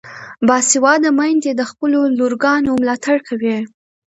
باسواده میندې د خپلو لورګانو ملاتړ کوي.